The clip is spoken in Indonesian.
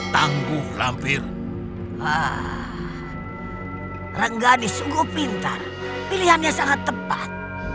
tangguh lampir ah rengganis sungguh pintar pilihannya sangat tepat